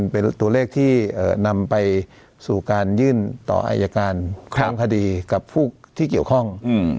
เป็นตัวเลขที่นำไปสู่การยื่นต่ออายการทั้งคดีกับผู้ที่เกี่ยวข้อง